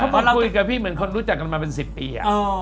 มาคุยกับพี่เหมือนคนรู้จักกันมาเป็น๑๐ปี